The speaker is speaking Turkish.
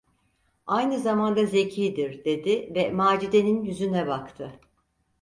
"Aynı zamanda zekidir!" dedi ve Macide’nin yüzüne baktı.